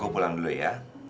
gue pulang dulu ya